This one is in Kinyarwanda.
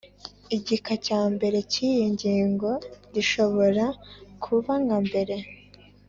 igika cya mbere cy iyi ngingo bishobora kuba nka mbere